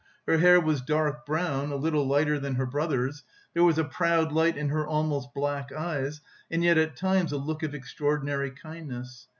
Her hair was dark brown, a little lighter than her brother's; there was a proud light in her almost black eyes and yet at times a look of extraordinary kindness.